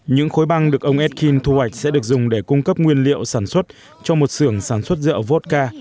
những khối băng được ông ed keane thu hoạch sẽ được dùng để cung cấp nguyên liệu sản xuất cho một sưởng sản xuất rượu vodka